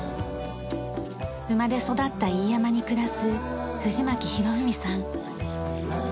生まれ育った飯山に暮らす藤巻博文さん。